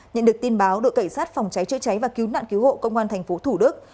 nhận được tin báo đội cảnh sát phòng cháy chữa cháy và cứu nạn cứu hộ công an tp thủ đức